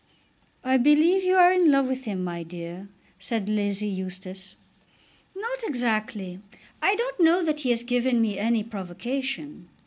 "I believe you are in love with him, my dear," said Lizzie Eustace. "Not exactly. I don't know that he has given me any provocation.